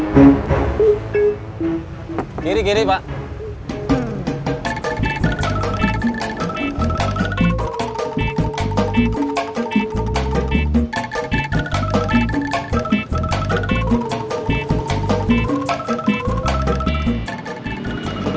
ke kiri kekiri baka